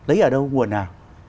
lấy ở đâu nguồn nào